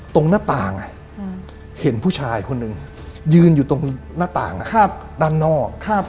ตรงหน้าต่างเห็นผู้ชายคนหนึ่งยืนอยู่ตรงหน้าต่างด้านนอก